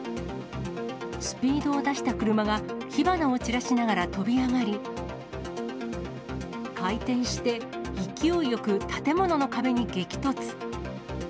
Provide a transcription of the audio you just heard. スピードを出した車が、火花を散らしながら跳び上がり、回転して、勢いよく建物の壁に激突。